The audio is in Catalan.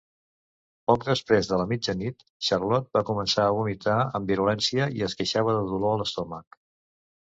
Poc després de la mitjanit, Charlotte va començar a vomitar amb virulència i es queixava de dolor a l'estómac.